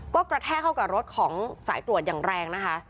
ก็กระแทกเข้ากับรถของสายตรวจอย่างแรงนะคะ